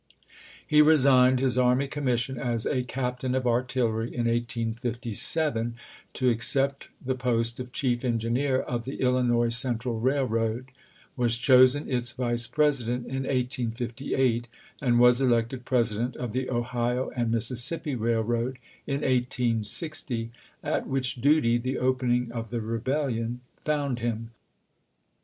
He resigned his army commission as a captain of artillery in 1857, to accept the post of chief engineer of the Illinois Central Railroad ; was chosen its vice president in 1858; and was elected president of the Ohio and Mississippi Railroad in 1860, at which duty the opening of the Rebellion found him.